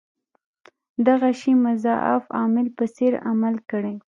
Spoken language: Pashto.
دغه شي مضاعف عامل په څېر عمل کړی.